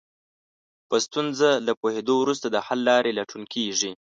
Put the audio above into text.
په ستونزه له پوهېدو وروسته د حل لارې لټون کېږي.